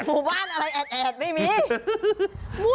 หมู่บ้านอะไรแอดไม่มี